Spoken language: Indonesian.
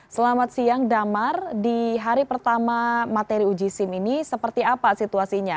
selamat siang damar di hari pertama materi uji sim ini seperti apa situasinya